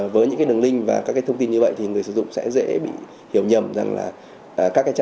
với những đường link và các thông tin như vậy